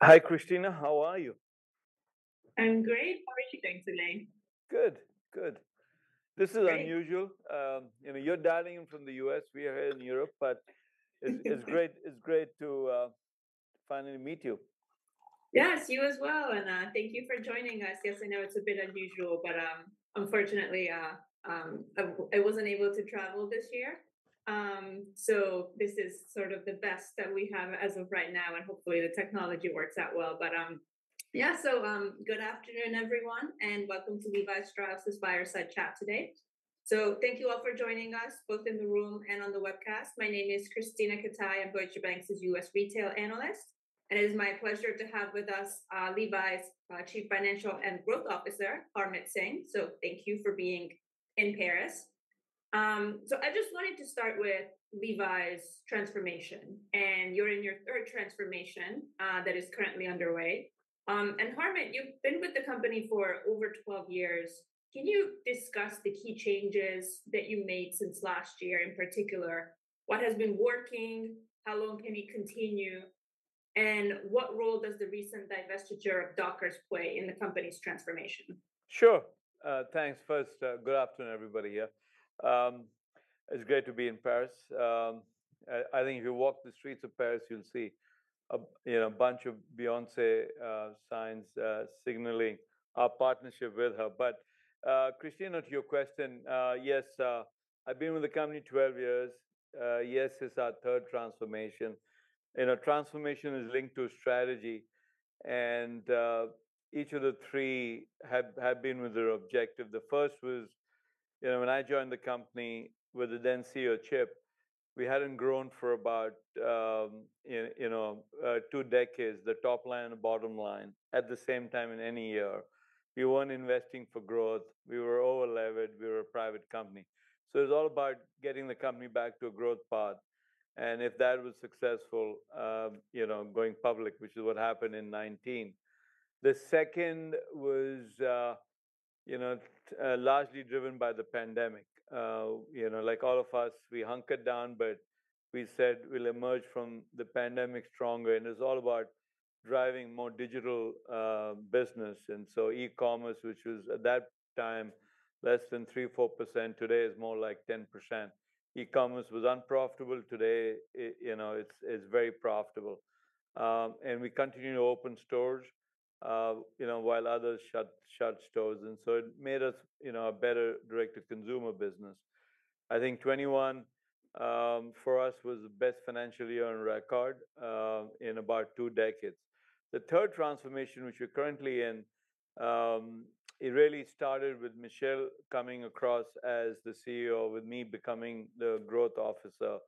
Hi, Christina. How are you? I'm great. How are you doing today? Good, good. This is unusual. Good. You know, you're dialing in from the U.S. We are here in Europe, but it's great to finally meet you. Yes, you as well. Thank you for joining us. Yes, I know it's a bit unusual, but unfortunately, I wasn't able to travel this year. This is sort of the best that we have as of right now. Hopefully, the technology works out well. Good afternoon, everyone, and welcome to Levi Strauss' Buyer's Edge chat today. Thank you all for joining us, both in the room and on the webcast. My name is Krisztina Katai. I'm Deutsche Bank's U.S. retail analyst. It is my pleasure to have with us Levi's Chief Financial and Growth Officer, Harmit Singh. Thank you for being in Paris. I just wanted to start with Levi's transformation. You're in your third transformation that is currently underway. Harmit, you've been with the company for over 12 years. Can you discuss the key changes that you made since last year, in particular, what has been working, how long can it continue, and what role does the recent divestiture of Dockers play in the company's transformation? Sure. Thanks. First, good afternoon, everybody here. It's great to be in Paris. I think if you walk the streets of Paris, you'll see a bunch of Beyoncé signs signaling our partnership with her. But Krisztina, to your question, yes, I've been with the company 12 years. Yes, it's our third transformation. You know, transformation is linked to strategy. And each of the three have been with their objective. The first was, you know, when I joined the company with the then CEO, Chip, we hadn't grown for about two decades, the top line and the bottom line, at the same time in any year. We weren't investing for growth. We were overlevered. We were a private company. So it was all about getting the company back to a growth path. And if that was successful, you know, going public, which is what happened in 2019. The second was, you know, largely driven by the pandemic. You know, like all of us, we hunkered down, but we said we'll emerge from the pandemic stronger. It was all about driving more digital business. E-commerce, which was at that time less than 3%-4%, today is more like 10%. E-commerce was unprofitable. Today, you know, it's very profitable. We continue to open stores, you know, while others shut stores. It made us, you know, a better direct-to-consumer business. I think 2021 for us was the best financial year on record in about two decades. The third transformation, which we're currently in, really started with Michelle coming across as the CEO, with me becoming the Growth Officer.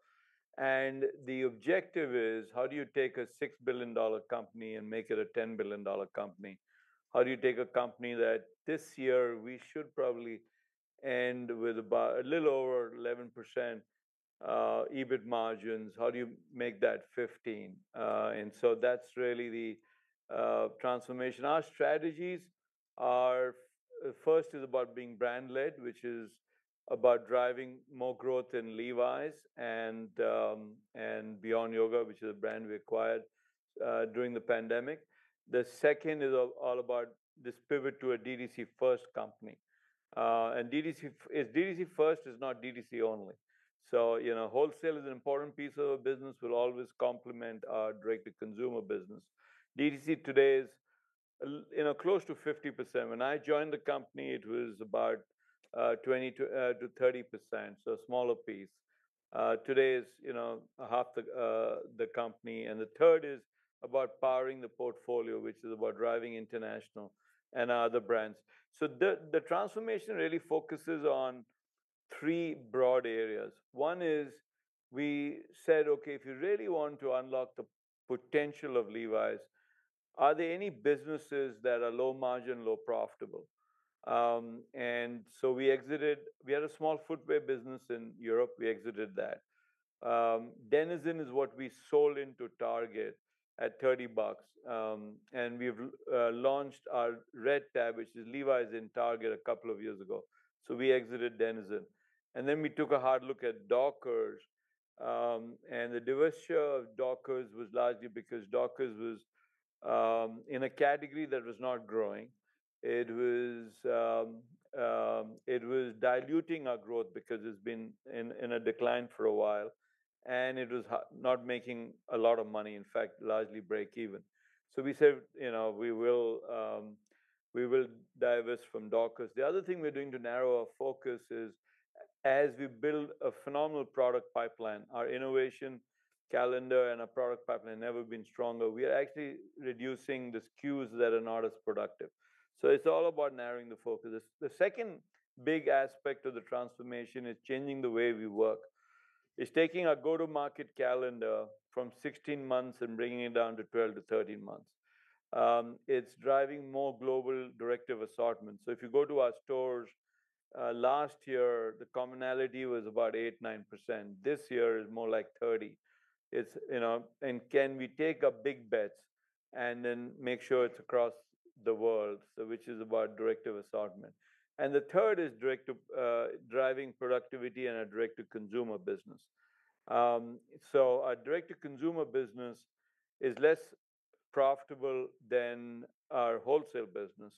The objective is, how do you take a $6 billion company and make it a $10 billion company? How do you take a company that this year we should probably end with a little over 11% EBIT margins? How do you make that 15%? That is really the transformation. Our strategies are, first, is about being brand-led, which is about driving more growth in Levi's and Beyond Yoga, which is a brand we acquired during the pandemic. The second is all about this pivot to a DTC-first company. DTC-first is not DTC-only. You know, wholesale is an important piece of our business. We will always complement our direct-to-consumer business. DTC today is, you know, close to 50%. When I joined the company, it was about 20%-30%, so a smaller piece. Today is, you know, half the company. The third is about powering the portfolio, which is about driving international and other brands. The transformation really focuses on three broad areas. One is we said, OK, if you really want to unlock the potential of Levi's, are there any businesses that are low margin, low profitable? We exited. We had a small footwear business in Europe. We exited that. Denizen is what we sold into Target at $30. We launched our Red Tab, which is Levi's in Target, a couple of years ago. We exited Denizen. We took a hard look at Dockers. The divestiture of Dockers was largely because Dockers was in a category that was not growing. It was diluting our growth because it has been in a decline for a while. It was not making a lot of money, in fact, largely break-even. We said, you know, we will divest from Dockers. The other thing we're doing to narrow our focus is, as we build a phenomenal product pipeline, our innovation calendar and our product pipeline have never been stronger. We are actually reducing the SKUs that are not as productive. It's all about narrowing the focus. The second big aspect of the transformation is changing the way we work. It's taking our go-to-market calendar from 16 months and bringing it down to 12months-13 months. It's driving more global directive assortment. If you go to our stores last year, the commonality was about 8%-9%. This year is more like 30%. Can we take our big bets and then make sure it's across the world, which is about directive assortment? The third is driving productivity in our direct-to-consumer business. Our direct-to-consumer business is less profitable than our wholesale business.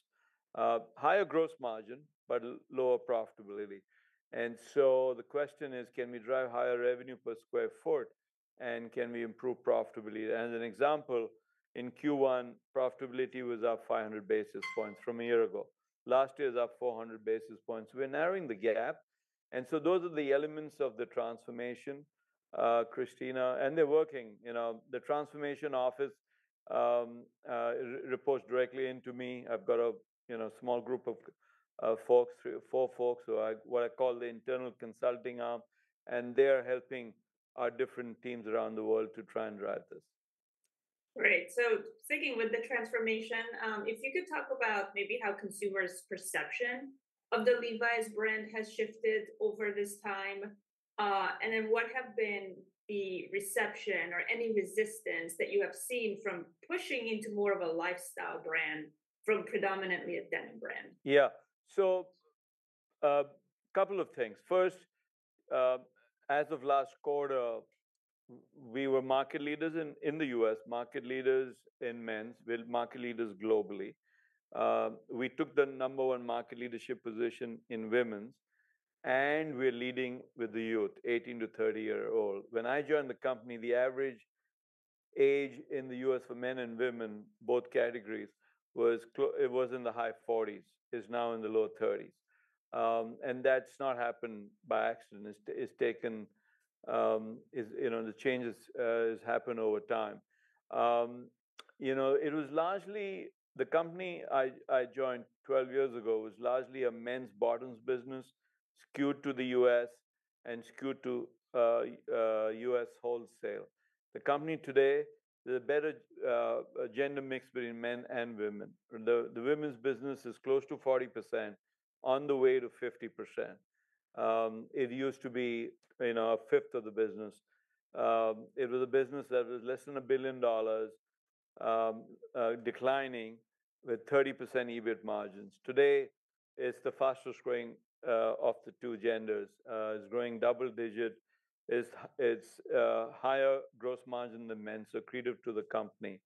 Higher gross margin, but lower profitability. The question is, can we drive higher revenue per square foot? Can we improve profitability? As an example, in Q1, profitability was up 500 basis points from a year ago. Last year is up 400 basis points. We're narrowing the gap. Those are the elements of the transformation, Krisztina. They're working. You know, the transformation office reports directly into me. I've got a small group of folks, four folks, what I call the internal consulting arm. They're helping our different teams around the world to try and drive this. Great. Sticking with the transformation, if you could talk about maybe how consumers' perception of the Levi's brand has shifted over this time. What have been the reception or any resistance that you have seen from pushing into more of a lifestyle brand from predominantly a denim brand? Yeah. So a couple of things. First, as of last quarter, we were market leaders in the U.S., market leaders in men's, market leaders globally. We took the number one market leadership position in women's. And we're leading with the youth, 18-year-old-30-year-old. When I joined the company, the average age in the U.S. for men and women, both categories, was in the high 40s, is now in the low 30s. And that's not happened by accident. It's taken, you know, the changes have happened over time. You know, it was largely the company I joined 12 years ago was largely a men's bottoms business skewed to the U.S. and skewed to U.S. wholesale. The company today is a better agenda mix between men and women. The women's business is close to 40%, on the way to 50%. It used to be a fifth of the business. It was a business that was less than $1 billion, declining with 30% EBIT margins. Today, it's the fastest growing of the two genders. It's growing double-digit. It's higher gross margin than men, so creative to the company.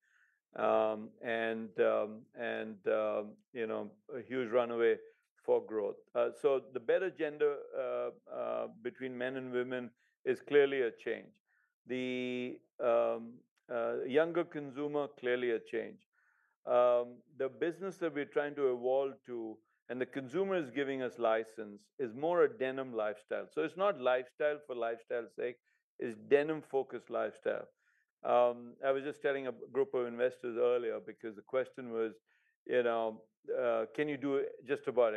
And, you know, a huge runaway for growth. The better gender between men and women is clearly a change. The younger consumer, clearly a change. The business that we're trying to evolve to, and the consumer is giving us license, is more a denim lifestyle. It's not lifestyle for lifestyle's sake. It's denim-focused lifestyle. I was just telling a group of investors earlier because the question was, you know, can you do just about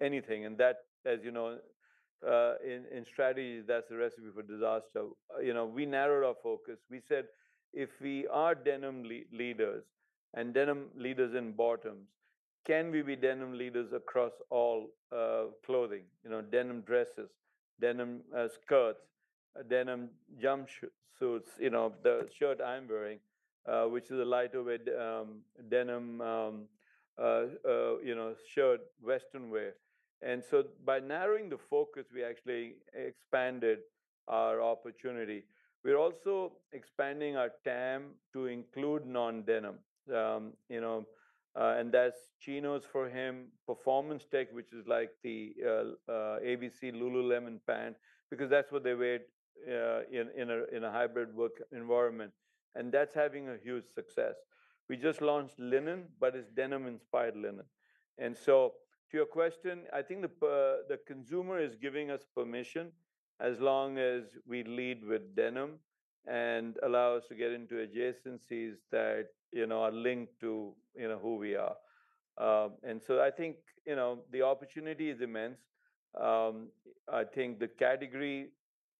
anything? That, as you know, in strategy, that's the recipe for disaster. You know, we narrowed our focus. We said, if we are denim leaders and denim leaders in bottoms, can we be denim leaders across all clothing? You know, denim dresses, denim skirts, denim jumpsuits, you know, the shirt I'm wearing, which is a lightweight denim, you know, shirt, Western wear. By narrowing the focus, we actually expanded our opportunity. We're also expanding our TAM to include non-denim. You know, and that's chinos for him, performance tech, which is like the ABC Lululemon pant, because that's what they wear in a hybrid work environment. That's having a huge success. We just launched linen, but it's denim-inspired linen. To your question, I think the consumer is giving us permission as long as we lead with denim and allow us to get into adjacencies that, you know, are linked to, you know, who we are. I think, you know, the opportunity is immense. I think the category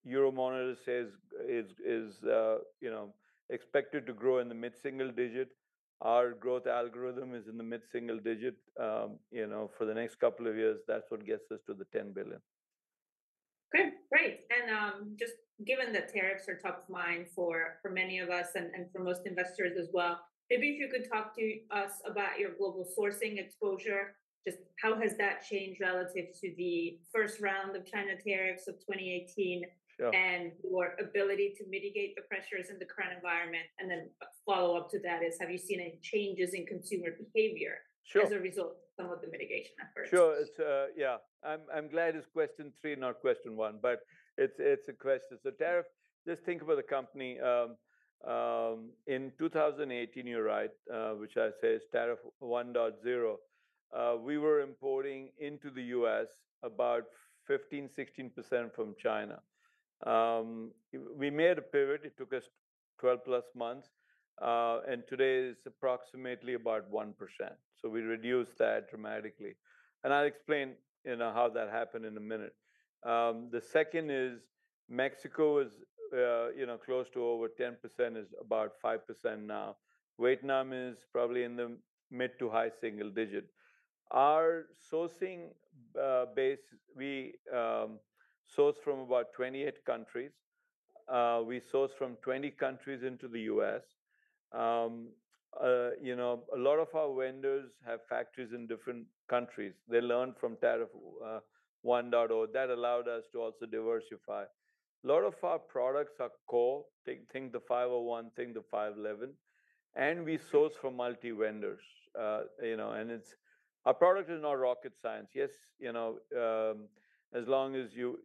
Euromonitor says is, you know, expected to grow in the mid-single digit. Our growth algorithm is in the mid-single digit, you know, for the next couple of years. That is what gets us to the $10 billion. Good. Great. Just given that tariffs are top of mind for many of us and for most investors as well, maybe if you could talk to us about your global sourcing exposure, just how has that changed relative to the first round of China tariffs of 2018 and your ability to mitigate the pressures in the current environment? The follow up to that is, have you seen any changes in consumer behavior as a result of some of the mitigation efforts? Sure. Yeah. I'm glad it's question three, not question one. But it's a question. So tariff, just think about the company. In 2018, you're right, which I say is tariff 1.0, we were importing into the U.S. about 15%-16% from China. We made a pivot. It took us 12-plus months. And today is approximately about 1%. We reduced that dramatically. I'll explain, you know, how that happened in a minute. The second is Mexico is, you know, close to over 10%, is about 5% now. Vietnam is probably in the mid to high single digit. Our sourcing base, we source from about 28 countries. We source from 20 countries into the U.S. You know, a lot of our vendors have factories in different countries. They learned from tariff 1.0. That allowed us to also diversify. A lot of our products are core things, the 501 thing, the 511. And we source from multi-vendors. You know, and it's our product is not rocket science. Yes, you know, as long as you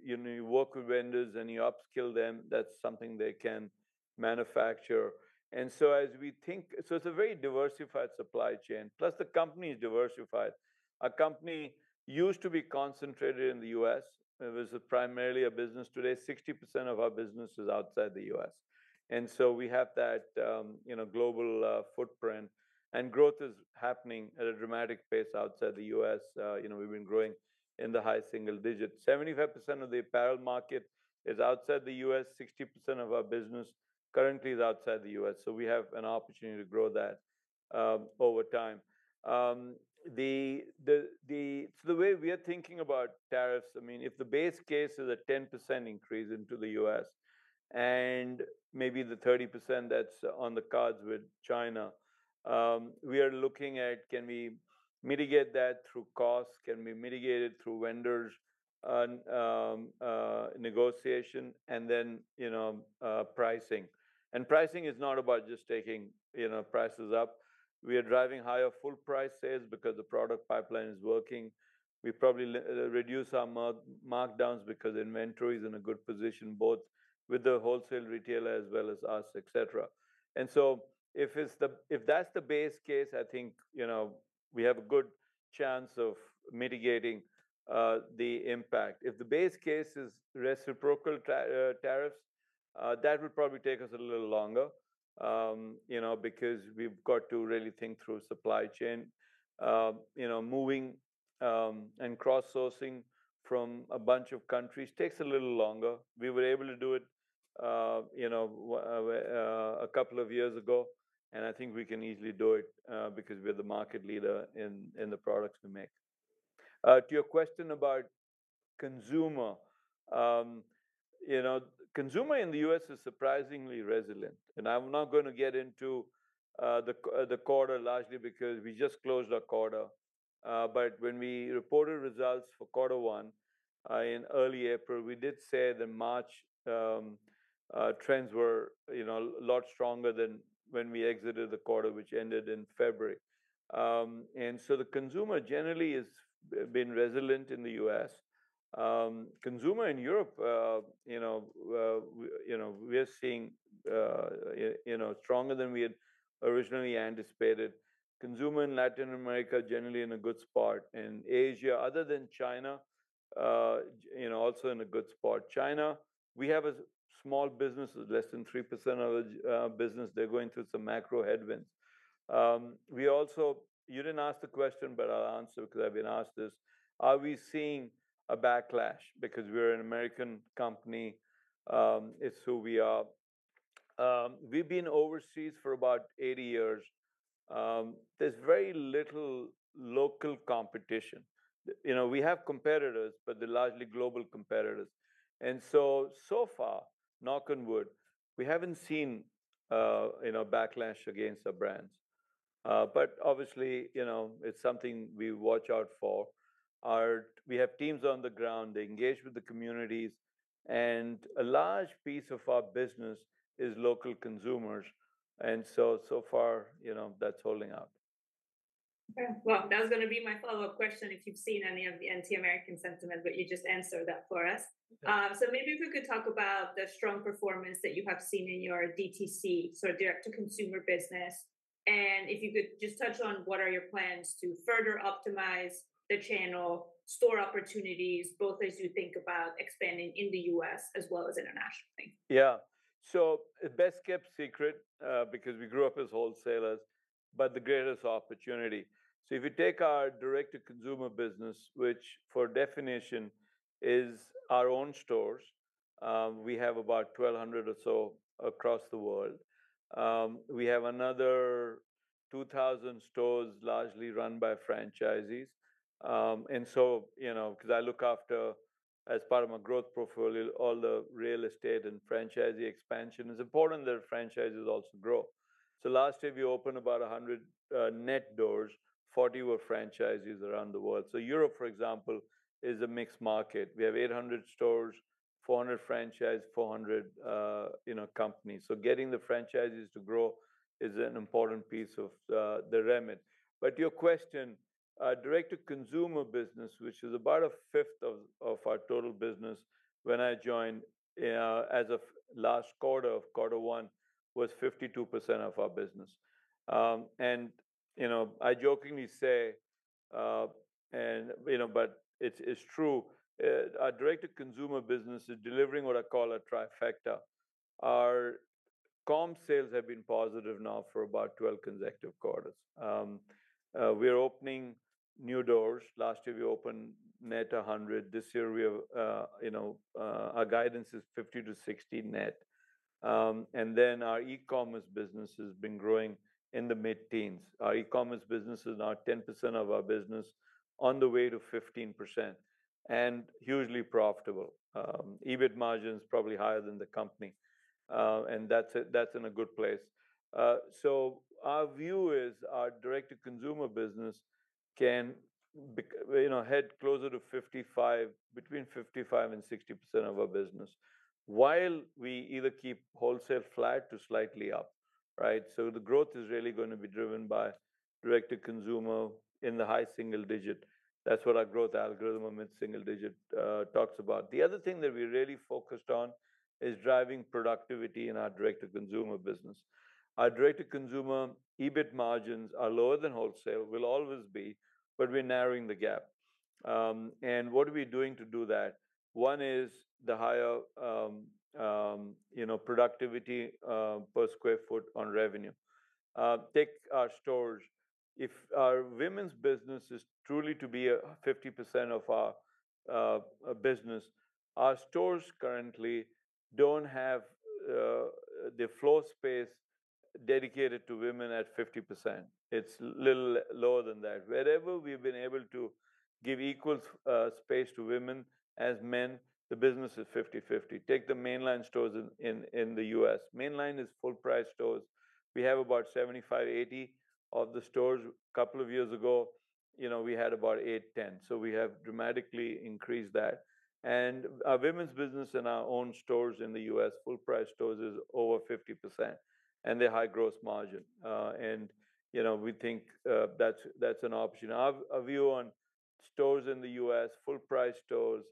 work with vendors and you upskill them, that's something they can manufacture. And so as we think, so it's a very diversified supply chain. Plus, the company is diversified. Our company used to be concentrated in the U.S. It was primarily a business today. 60% of our business is outside the U.S. And so we have that, you know, global footprint. And growth is happening at a dramatic pace outside the U.S. You know, we've been growing in the high single digit. 75% of the apparel market is outside the U.S. 60% of our business currently is outside the U.S. So we have an opportunity to grow that over time. The way we are thinking about tariffs, I mean, if the base case is a 10% increase into the U.S. and maybe the 30% that's on the cards with China, we are looking at, can we mitigate that through costs? Can we mitigate it through vendors' negotiation? And then, you know, pricing. Pricing is not about just taking, you know, prices up. We are driving higher full prices because the product pipeline is working. We probably reduce our markdowns because inventory is in a good position, both with the wholesale retailer as well as us, et cetera. If that's the base case, I think, you know, we have a good chance of mitigating the impact. If the base case is reciprocal tariffs, that would probably take us a little longer, you know, because we've got to really think through supply chain. You know, moving and cross-sourcing from a bunch of countries takes a little longer. We were able to do it, you know, a couple of years ago. I think we can easily do it because we're the market leader in the products we make. To your question about consumer, you know, consumer in the U.S. is surprisingly resilient. I'm not going to get into the quarter largely because we just closed our quarter. When we reported results for quarter one in early April, we did say the March trends were, you know, a lot stronger than when we exited the quarter, which ended in February. The consumer generally has been resilient in the U.S. Consumer in Europe, you know, we are seeing, you know, stronger than we had originally anticipated. Consumer in Latin America generally in a good spot. In Asia, other than China, you know, also in a good spot. China, we have a small business, less than 3% of the business. They're going through some macro headwinds. You didn't ask the question, but I'll answer because I've been asked this. Are we seeing a backlash? Because we're an American company. It's who we are. We've been overseas for about 80 years. There's very little local competition. You know, we have competitors, but they're largely global competitors. So far, knock on wood, we haven't seen, you know, backlash against our brands. Obviously, you know, it's something we watch out for. We have teams on the ground. They engage with the communities. A large piece of our business is local consumers. So far, you know, that's holding out. Okay. That was going to be my follow-up question if you've seen any of the anti-American sentiment, but you just answered that for us. Maybe if we could talk about the strong performance that you have seen in your DTC, so direct-to-consumer business. If you could just touch on what are your plans to further optimize the channel, store opportunities, both as you think about expanding in the U.S. as well as internationally. Yeah. So the best kept secret, because we grew up as wholesalers, but the greatest opportunity. If you take our direct-to-consumer business, which for definition is our own stores, we have about 1,200 or so across the world. We have another 2,000 stores largely run by franchisees. You know, because I look after, as part of my growth portfolio, all the real estate and franchisee expansion, it's important that franchises also grow. Last year, we opened about 100 net doors. Forty were franchisees around the world. Europe, for example, is a mixed market. We have 800 stores, 400 franchise, 400, you know, companies. Getting the franchisees to grow is an important piece of the remit. Your question, direct-to-consumer business, which is about a fifth of our total business when I joined as of last quarter of quarter one, was 52% of our business. You know, I jokingly say, you know, but it's true. Our direct-to-consumer business is delivering what I call a trifecta. Our comps sales have been positive now for about 12 consecutive quarters. We're opening new doors. Last year, we opened net 100. This year, we have, you know, our guidance is 50-60 net. Our e-commerce business has been growing in the mid-teens. Our e-commerce business is now 10% of our business, on the way to 15%, and hugely profitable. EBIT margin is probably higher than the company. That's in a good place. Our view is our direct-to-consumer business can, you know, head closer to 55%, between 55% and 60% of our business, while we either keep wholesale flat to slightly up, right? The growth is really going to be driven by direct-to-consumer in the high single digit. That's what our growth algorithm of mid-single digit talks about. The other thing that we really focused on is driving productivity in our direct-to-consumer business. Our direct-to-consumer EBIT margins are lower than wholesale, will always be, but we're narrowing the gap. What are we doing to do that? One is the higher, you know, productivity per square foot on revenue. Take our stores. If our women's business is truly to be 50% of our business, our stores currently don't have the floor space dedicated to women at 50%. It's a little lower than that. Wherever we've been able to give equal space to women as men, the business is 50-50. Take the mainline stores in the U.S. Mainline is full-price stores. We have about 75-80 of the stores. A couple of years ago, you know, we had about 8-10. We have dramatically increased that. Our women's business and our own stores in the U.S., full-price stores, is over 50%. They're high gross margin. You know, we think that's an option. Our view on stores in the U.S., full-price stores,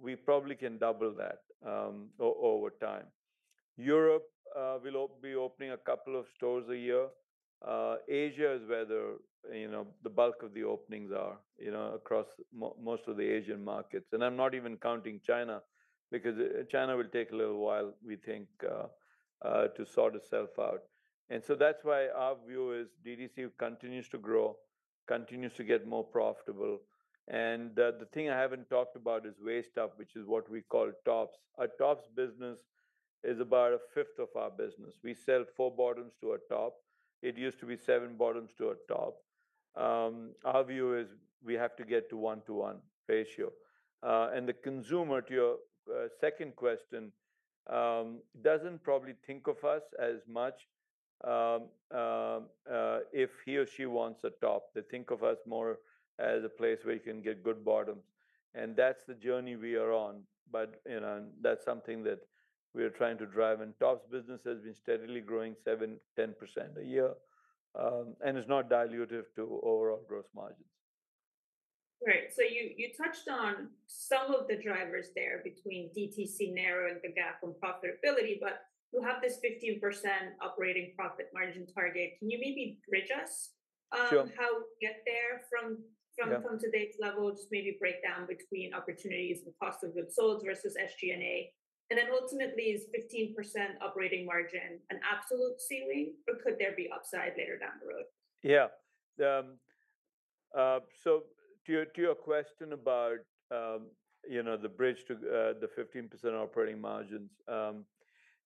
we probably can double that over time. Europe will be opening a couple of stores a year. Asia is where, you know, the bulk of the openings are, you know, across most of the Asian markets. I'm not even counting China because China will take a little while, we think, to sort itself out. That is why our view is DTC continues to grow, continues to get more profitable. The thing I have not talked about is waist up, which is what we call tops. Our tops business is about a fifth of our business. We sell four bottoms to a top. It used to be seven bottoms to a top. Our view is we have to get to a one-to-one ratio. And the consumer, to your second question, does not probably think of us as much if he or she wants a top. They think of us more as a place where you can get good bottoms. And that is the journey we are on. But, you know, that is something that we are trying to drive. And tops business has been steadily growing 7%-10% a year and is not dilutive to overall gross margins. Great. You touched on some of the drivers there between DTC narrowing the gap on profitability, but you have this 15% operating profit margin target. Can you maybe bridge us on how we get there from today's level? Just maybe break down between opportunities and cost of goods sold versus SG&A. Ultimately, is 15% operating margin an absolute ceiling or could there be upside later down the road? Yeah. To your question about, you know, the bridge to the 15% operating margins,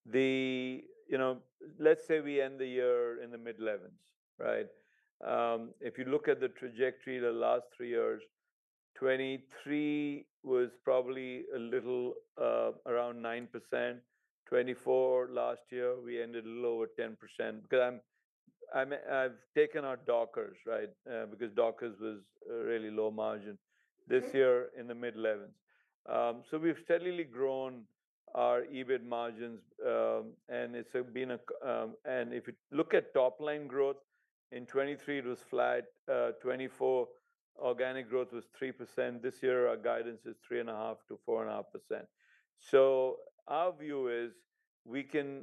the, you know, let's say we end the year in the mid-11s, right? If you look at the trajectory the last three years, 2023 was probably a little around 9%. 2024 last year, we ended a little over 10% because I've taken our Dockers, right? Because Dockers was really low margin this year in the mid-11s. We have steadily grown our EBIT margins. If you look at top-line growth, in 2023, it was flat. 2024, organic growth was 3%. This year, our guidance is 3.5%-4.5%. Our view is we can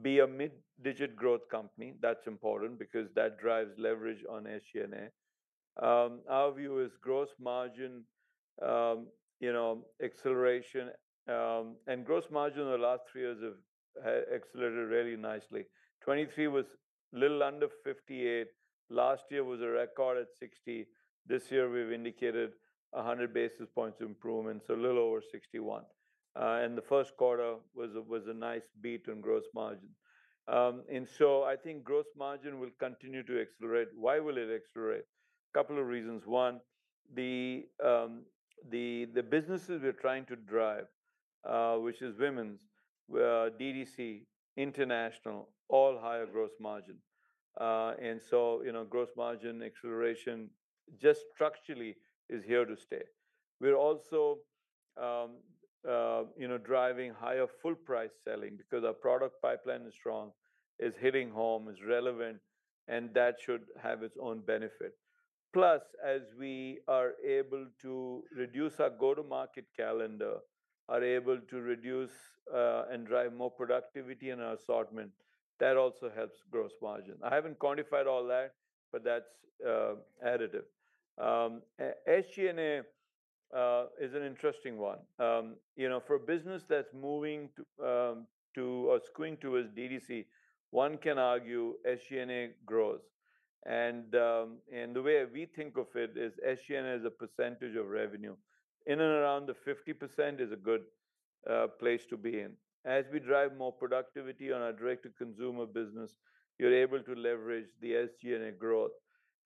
be a mid-digit growth company. That is important because that drives leverage on SG&A. Our view is gross margin, you know, acceleration. Gross margin in the last three years has accelerated really nicely. 2023 was a little under 58. Last year was a record at 60. This year, we've indicated 100 basis points of improvement, so a little over 61. The first quarter was a nice beat on gross margin. I think gross margin will continue to accelerate. Why will it accelerate? A couple of reasons. One, the businesses we're trying to drive, which is women's, DTC, international, all higher gross margin. You know, gross margin acceleration just structurally is here to stay. We're also, you know, driving higher full-price selling because our product pipeline is strong, is hitting home, is relevant, and that should have its own benefit. Plus, as we are able to reduce our go-to-market calendar, are able to reduce and drive more productivity in our assortment, that also helps gross margin. I haven't quantified all that, but that's additive. SG&A is an interesting one. You know, for a business that's moving to or squeaking towards DTC, one can argue SG&A grows. The way we think of it is SG&A as a percentage of revenue. In and around the 50% is a good place to be in. As we drive more productivity on our direct-to-consumer business, you're able to leverage the SG&A growth.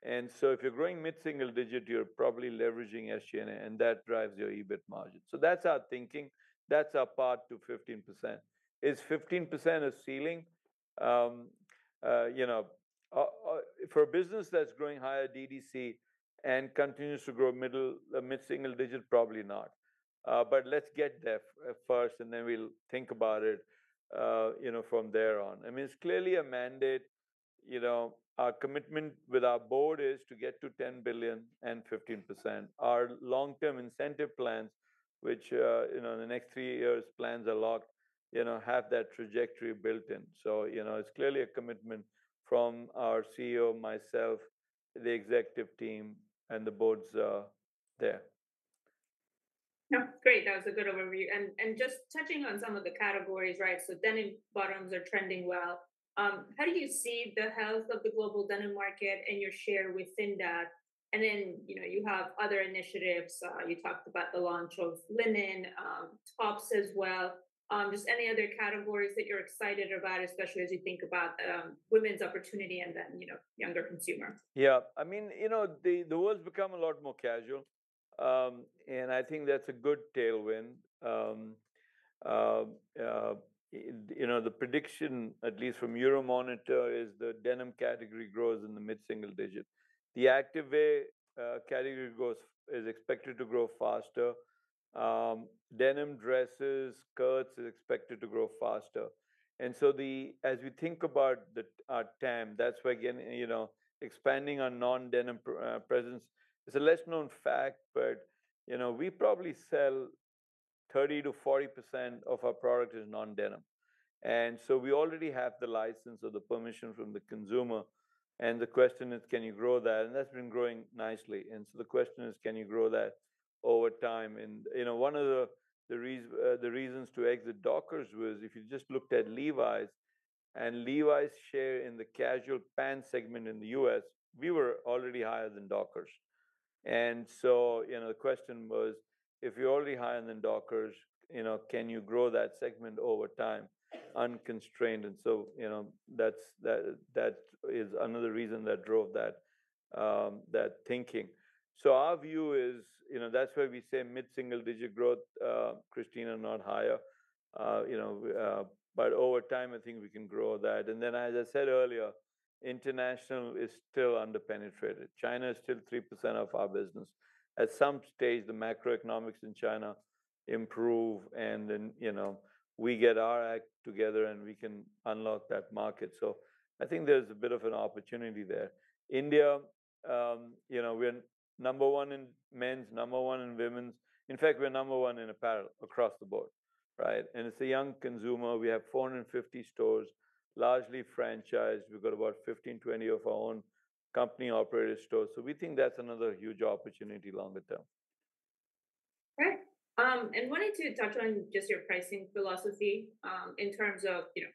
If you're growing mid-single digit, you're probably leveraging SG&A, and that drives your EBIT margin. That's our thinking. That's our path to 15%. Is 15% a ceiling? You know, for a business that's growing higher DTC and continues to grow mid-single digit, probably not. Let's get there first, and then we'll think about it from there on. I mean, it's clearly a mandate. Our commitment with our board is to get to $10 billion and 15%. Our long-term incentive plans, which, you know, in the next three years, plans are locked, you know, have that trajectory built in. You know, it's clearly a commitment from our CEO, myself, the executive team, and the board's there. Yeah. Great. That was a good overview. Just touching on some of the categories, right? Denim bottoms are trending well. How do you see the health of the global denim market and your share within that? You have other initiatives. You talked about the launch of linen, tops as well. Just any other categories that you're excited about, especially as you think about women's opportunity and, you know, younger consumer? Yeah. I mean, you know, the world's become a lot more casual. I think that's a good tailwind. You know, the prediction, at least from Euromonitor, is the denim category grows in the mid-single digit. The activewear category is expected to grow faster. Denim dresses, skirts are expected to grow faster. As we think about our TAM, that's why, you know, expanding our non-denim presence. It's a less known fact, but, you know, we probably sell 30%-40% of our product is non-denim. We already have the license or the permission from the consumer. The question is, can you grow that? That's been growing nicely. The question is, can you grow that over time? You know, one of the reasons to exit Dockers was if you just looked at Levi's and Levi's share in the casual pants segment in the U.S., we were already higher than Dockers. You know, the question was, if you're already higher than Dockers, can you grow that segment over time unconstrained? You know, that's another reason that drove that thinking. Our view is, you know, that's why we say mid-single digit growth, Krisztina, and not higher. You know, but over time, I think we can grow that. As I said earlier, international is still underpenetrated. China is still 3% of our business. At some stage, the macroeconomics in China improve. You know, we get our act together and we can unlock that market. I think there's a bit of an opportunity there. India, you know, we're number one in men's, number one in women's. In fact, we're number one in apparel across the board, right? And it's a young consumer. We have 450 stores, largely franchised. We've got about 15-20 of our own company-operated stores. So we think that's another huge opportunity longer term. Okay. And wanted to touch on just your pricing philosophy in terms of, you know,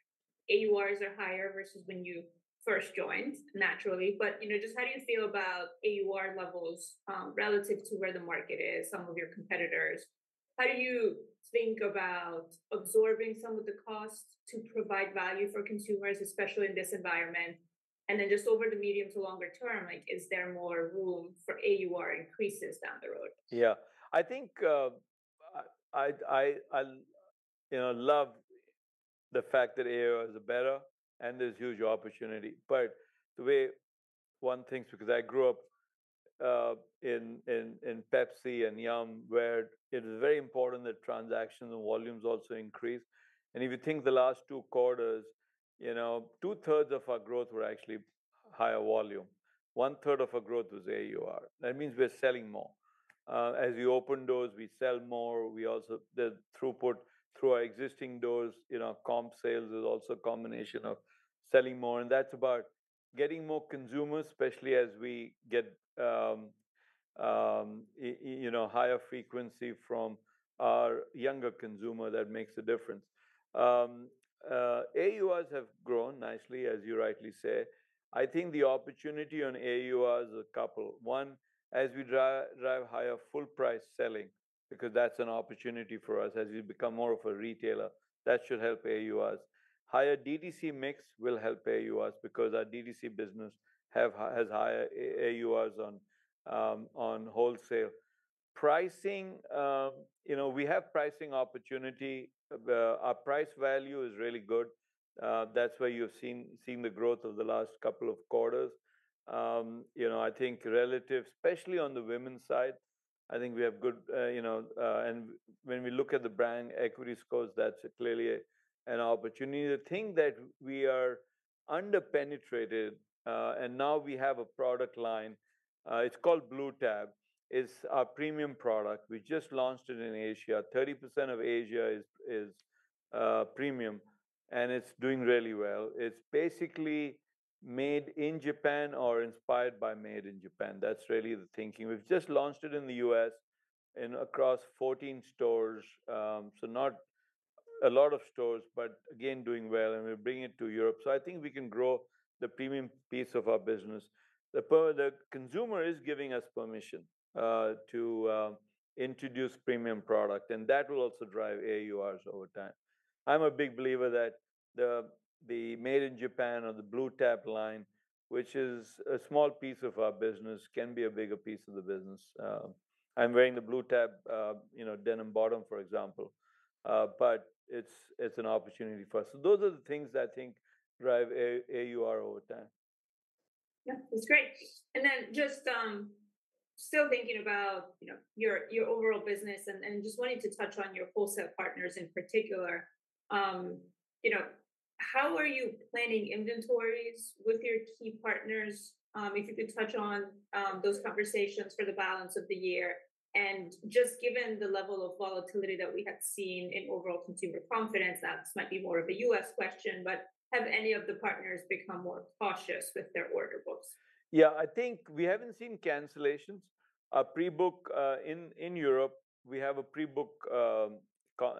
AURs are higher versus when you first joined naturally. You know, just how do you feel about AUR levels relative to where the market is, some of your competitors? How do you think about absorbing some of the costs to provide value for consumers, especially in this environment? And then just over the medium to longer term, like, is there more room for AUR increases down the road? Yeah. I think I, you know, love the fact that AUR is better and there's huge opportunity. The way one thinks, because I grew up in Pepsi and Yum!, where it was very important that transactions and volumes also increase. If you think the last two quarters, you know, two-thirds of our growth were actually higher volume. One-third of our growth was AUR. That means we're selling more. As we open doors, we sell more. Also, the throughput through our existing doors, you know, comp sales is also a combination of selling more. That's about getting more consumers, especially as we get, you know, higher frequency from our younger consumer. That makes a difference. AURs have grown nicely, as you rightly say. I think the opportunity on AURs is a couple. One, as we drive higher full-price selling, because that's an opportunity for us as we become more of a retailer, that should help AURs. Higher DTC mix will help AURs because our DTC business has higher AURs on wholesale. Pricing, you know, we have pricing opportunity. Our price value is really good. That's where you've seen the growth of the last couple of quarters. You know, I think relative, especially on the women's side, I think we have good, you know, and when we look at the brand equity scores, that's clearly an opportunity. The thing that we are underpenetrated, and now we have a product line, it's called Blue Tab. It's our premium product. We just launched it in Asia. 30% of Asia is premium, and it's doing really well. It's basically made in Japan or inspired by made in Japan. That's really the thinking. We've just launched it in the U.S. and across 14 stores. Not a lot of stores, but again, doing well. We're bringing it to Europe. I think we can grow the premium piece of our business. The consumer is giving us permission to introduce premium product, and that will also drive AURs over time. I'm a big believer that the made in Japan or the Blue Tab line, which is a small piece of our business, can be a bigger piece of the business. I'm wearing the Blue Tab, you know, denim bottom, for example. It's an opportunity for us. Those are the things that I think drive AUR over time. Yeah. That's great. Just still thinking about, you know, your overall business and just wanting to touch on your full-set partners in particular, you know, how are you planning inventories with your key partners? If you could touch on those conversations for the balance of the year. Just given the level of volatility that we have seen in overall consumer confidence, that might be more of a U.S. question, but have any of the partners become more cautious with their order books? Yeah. I think we haven't seen cancellations. Pre-book in Europe, we have a pre-book,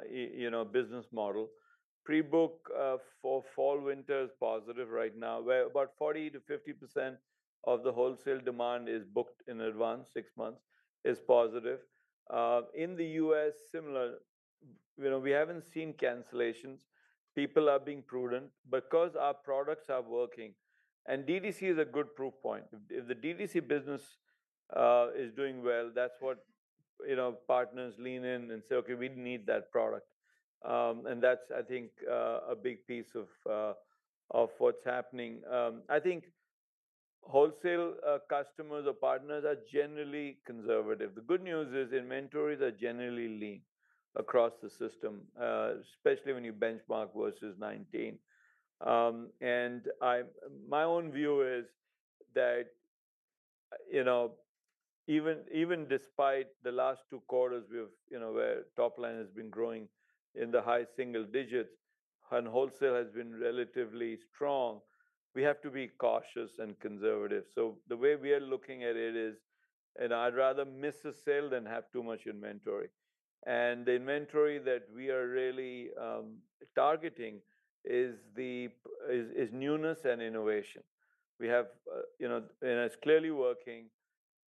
you know, business model. Pre-book for fall, winter is positive right now, where about 40%-50% of the wholesale demand is booked in advance, six months, is positive. In the U.S., similar, you know, we haven't seen cancellations. People are being prudent because our products are working. DTC is a good proof point. If the DTC business is doing well, that's what, you know, partners lean in and say, "Okay, we need that product." That's, I think, a big piece of what's happening. I think wholesale customers or partners are generally conservative. The good news is inventories are generally lean across the system, especially when you benchmark versus 2019. My own view is that, you know, even despite the last two quarters, we've, you know, where top line has been growing in the high single digits and wholesale has been relatively strong, we have to be cautious and conservative. The way we are looking at it is, you know, I'd rather miss a sale than have too much inventory. The inventory that we are really targeting is the newness and innovation. We have, you know, and it's clearly working.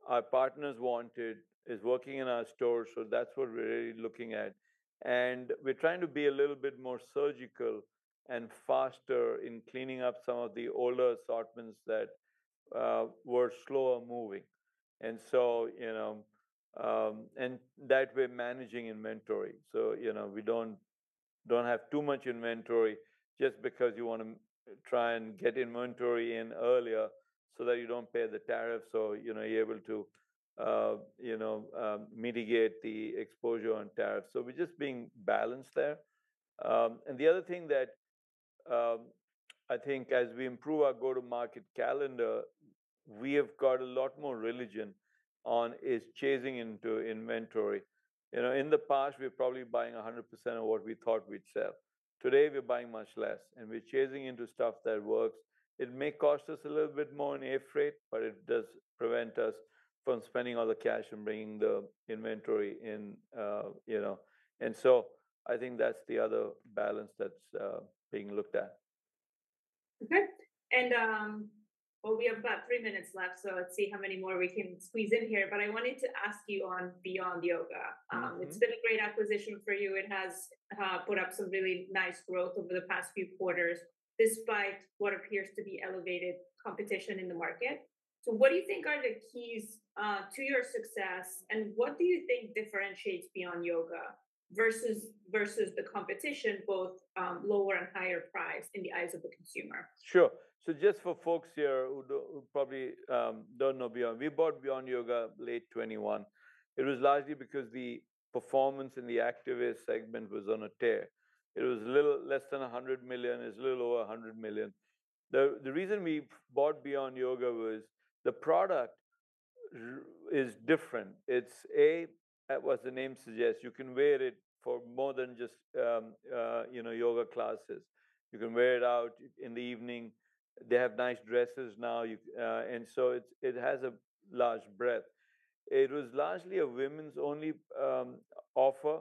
Our partners want it. It's working in our stores. That's what we're really looking at. We're trying to be a little bit more surgical and faster in cleaning up some of the older assortments that were slower moving. You know, and that we're managing inventory. You know, we do not have too much inventory just because you want to try and get inventory in earlier so that you do not pay the tariffs or, you know, you are able to, you know, mitigate the exposure on tariffs. We are just being balanced there. The other thing that I think as we improve our go-to-market calendar, we have got a lot more religion on is chasing into inventory. You know, in the past, we were probably buying 100% of what we thought we would sell. Today, we are buying much less, and we are chasing into stuff that works. It may cost us a little bit more in air freight, but it does prevent us from spending all the cash and bringing the inventory in, you know. I think that is the other balance that is being looked at. Okay. We have about three minutes left, so let's see how many more we can squeeze in here. I wanted to ask you on Beyond Yoga. It's been a great acquisition for you. It has put up some really nice growth over the past few quarters despite what appears to be elevated competition in the market. What do you think are the keys to your success, and what do you think differentiates Beyond Yoga versus the competition, both lower and higher price in the eyes of the consumer? Sure. Just for folks here who probably do not know Beyond, we bought Beyond Yoga late 2021. It was largely because the performance in the activewear segment was on a tear. It was a little less than $100 million, is a little over $100 million. The reason we bought Beyond Yoga was the product is different. It is, A, what the name suggests, you can wear it for more than just, you know, yoga classes. You can wear it out in the evening. They have nice dresses now. It has a large breadth. It was largely a women's-only offer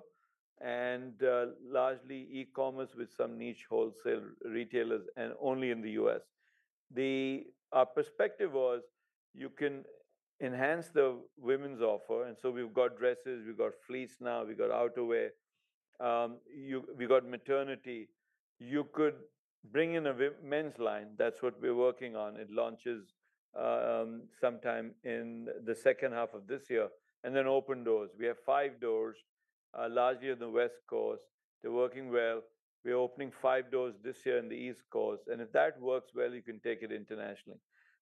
and largely e-commerce with some niche wholesale retailers and only in the U.S. The perspective was you can enhance the women's offer. We have got dresses, we have got fleece now, we have got outerwear, we have got maternity. You could bring in a men's line. That is what we are working on. It launches sometime in the second half of this year and then open doors. We have five doors largely in the West Coast. They're working well. We're opening five doors this year in the East Coast. If that works well, you can take it internationally.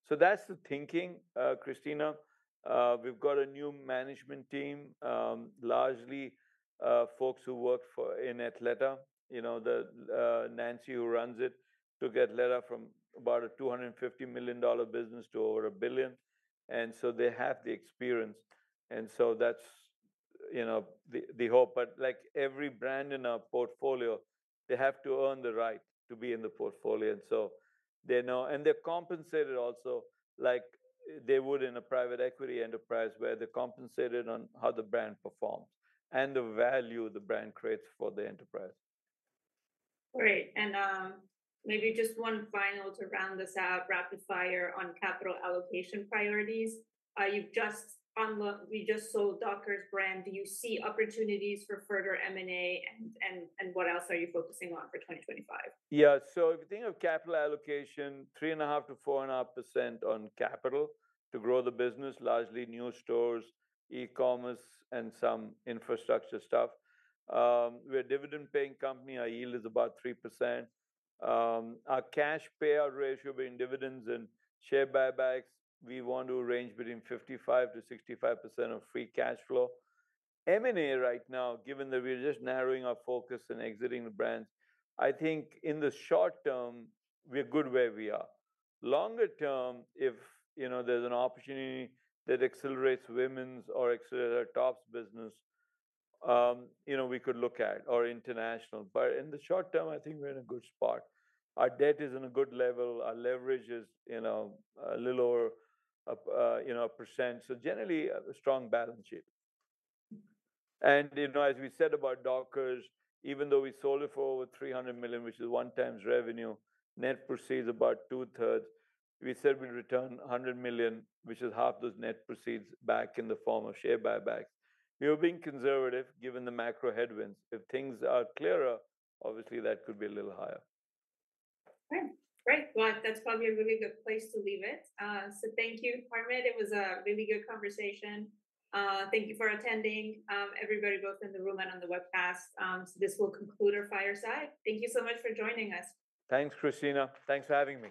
That's the thinking, Krisztina. We've got a new management team, largely folks who worked in Athleta. You know, Nancy who runs it took Athleta from about a $250 million business to over $1 billion. They have the experience. That's, you know, the hope. Like every brand in our portfolio, they have to earn the right to be in the portfolio. They know, and they're compensated also like they would in a private equity enterprise where they're compensated on how the brand performs and the value the brand creates for the enterprise. Great. Maybe just one final to round this out, rapid fire on capital allocation priorities. You just sold Dockers brand. Do you see opportunities for further M&A and what else are you focusing on for 2025? Yeah. If you think of capital allocation, 3.5%-4.5% on capital to grow the business, largely new stores, e-commerce, and some infrastructure stuff. We are a dividend-paying company. Our yield is about 3%. Our cash payout ratio between dividends and share buybacks, we want to range between 55%-65% of free cash flow. M&A right now, given that we are just narrowing our focus and exiting the brands, I think in the short term, we are good where we are. Longer term, if, you know, there is an opportunity that accelerates women's or accelerates our tops business, you know, we could look at or international. In the short term, I think we are in a good spot. Our debt is at a good level. Our leverage is, you know, a little over, you know, a percent. Generally a strong balance sheet. You know, as we said about Dockers, even though we sold it for over $300 million, which is one time's revenue, net proceeds about two-thirds. We said we'd return $100 million, which is half those net proceeds back in the form of share buybacks. We were being conservative given the macro headwinds. If things are clearer, obviously that could be a little higher. Okay. Great. That is probably a really good place to leave it. Thank you, Harmit. It was a really good conversation. Thank you for attending, everybody, both in the room and on the webcast. This will conclude our fireside. Thank you so much for joining us. Thanks, Krisztina. Thanks for having me.